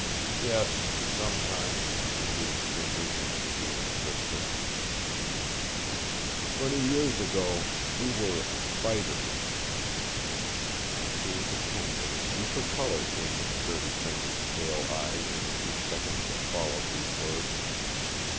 "Yes, sometimes," agreed Fingers in a wheezy whisper. "Twenty years ago you were a fighter." It seemed to Kent that a deeper color came into Dirty Fingers' pale eyes in the few seconds that followed these words.